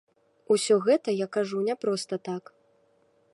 Усё гэта я кажу не проста так.